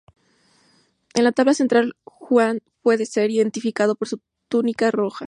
En la tabla central Juan puede ser identificado por su túnica roja.